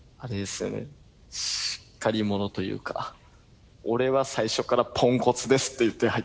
しっかり者というか俺は最初からポンコツですって言って入ってます。